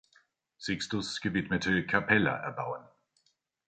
Sixtus gewidmete "capella" erbauen.